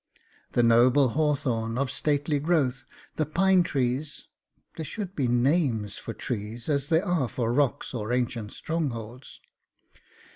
The noble Hawthorn of stately growth, the pine trees (there should be NAMES for trees, as there are for rocks or ancient strongholds).